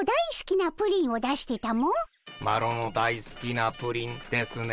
「マロのだいすきなプリン」ですね？